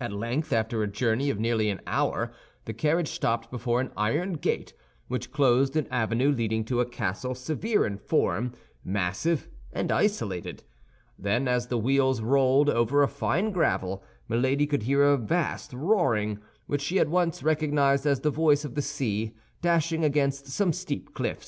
At length after a journey of nearly an hour, the carriage stopped before an iron gate, which closed an avenue leading to a castle severe in form, massive, and isolated. Then, as the wheels rolled over a fine gravel, Milady could hear a vast roaring, which she at once recognized as the noise of the sea dashing against some steep cliff.